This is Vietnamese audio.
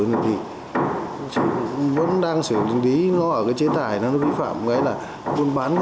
thì vẫn đang xử tùng dí nó ở cái chế tài nó bị phạm cái là bán hàng hóa